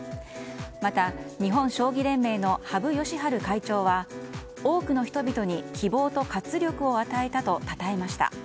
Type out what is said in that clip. また、日本将棋連盟の羽生善治会長は多くの人々に希望と活力を与えたとたたえました。